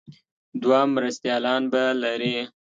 دوه مرستیالان به لري.